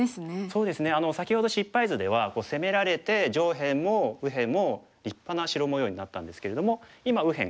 そうですね先ほど失敗図では攻められて上辺も右辺も立派な白模様になったんですけれども今右辺